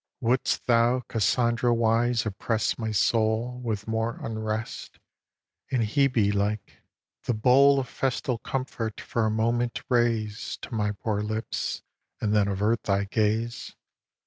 xii. Wouldst thou, Cassandra wise, oppress my soul With more unrest, and Hebè like, the bowl Of festal comfort for a moment raise To my poor lips, and then avert thy gaze?